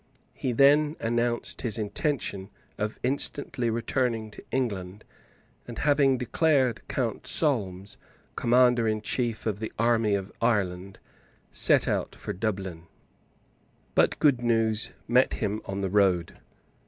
He then announced his intention of instantly returning to England, and, having declared Count Solmes Commander in Chief of the army of Ireland, set out for Dublin, But good news met him on the road.